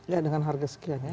ya dengan harga sekian ya